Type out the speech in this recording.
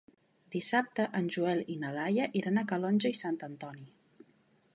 Dissabte en Joel i na Laia iran a Calonge i Sant Antoni.